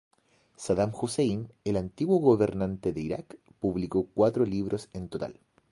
Sadam Husein, el antiguo gobernante de Iraq, publicó cuatro libros en total.